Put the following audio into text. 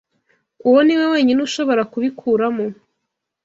uwo ni we wenyine ushobora kubikuramo